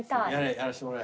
やらせてもらえ。